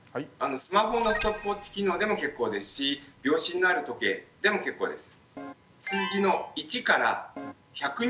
スマホのストップウォッチ機能でも結構ですし秒針のある時計でも結構です。